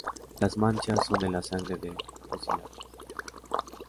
Las manchas son de la sangre del fusilado.